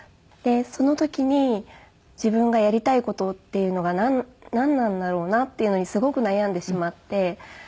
でその時に自分がやりたい事っていうのがなんなんだろうなっていうのにすごく悩んでしまって。